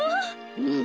うん。